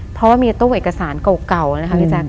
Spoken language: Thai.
เพราะว่ามีตู้เอกสารเก่านะคะพี่แจ๊ค